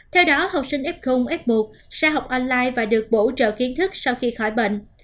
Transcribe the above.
theo đó học sinh f f một sẽ học online và được bổ trợ kiến thức sau khi khỏi bệnh